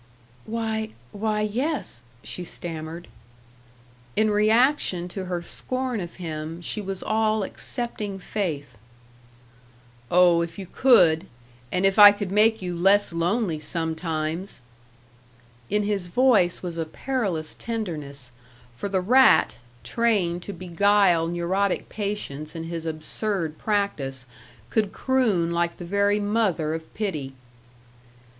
"Why, why yes " she stammered. In reaction to her scorn of him, she was all accepting faith. "Oh, if you could and if I could make you less lonely sometimes " In his voice was a perilous tenderness; for the rat, trained to beguile neurotic patients in his absurd practice, could croon like the very mother of pity.